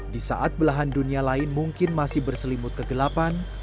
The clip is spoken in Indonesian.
di saat belahan dunia lain mungkin masih berselimut kegelapan